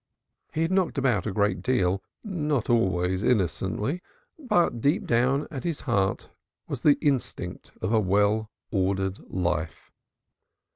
He had knocked about a great deal, not always innocently, but deep down at his heart was the instinct of well ordered life.